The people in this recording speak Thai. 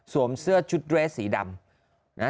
เสื้อชุดเรสสีดำ